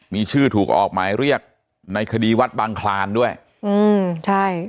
มีชื่อถูกออกหมายเรียกในคดีวัดบางคลานด้วยอืมใช่